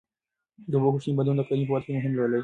د اوبو کوچني بندونه د کرنې په وده کې مهم رول لري.